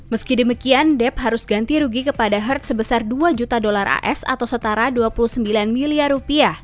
meski demikian deb harus ganti rugi kepada herd sebesar dua juta dolar as atau setara dua puluh sembilan miliar rupiah